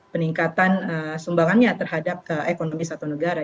peningkatan sumbangannya terhadap ekonomi satu negara